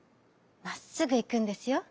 まっすぐいくんですよ」。